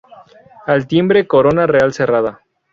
Al timbre corona real cerrada".